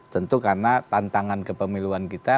tentu karena tantangan kepemiluan kita